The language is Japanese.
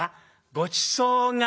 ごちそうが？